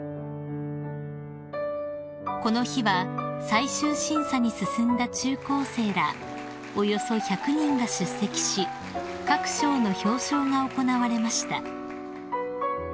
［この日は最終審査に進んだ中高生らおよそ１００人が出席し各賞の表彰が行われました］